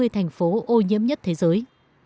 hai mươi thành phố ô nhiễm nhất thế giới